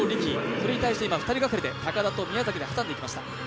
それに対して２人がかりで高田と宮崎で挟んでいきました。